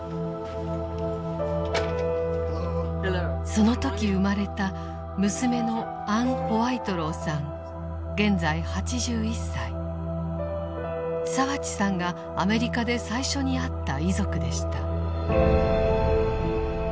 その時生まれた澤地さんがアメリカで最初に会った遺族でした。